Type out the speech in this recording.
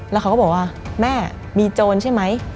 แล้วเขาก็บอกว่าแม่มีโจรใช่ไหม